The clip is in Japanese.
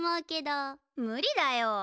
むりだよ。